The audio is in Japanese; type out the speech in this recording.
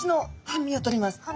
半身を取ります。